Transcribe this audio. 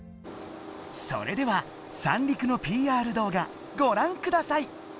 それでは三陸のＰＲ動画ご覧ください！